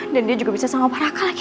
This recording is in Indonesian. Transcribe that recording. dan dia juga bisa sama pak raka lagi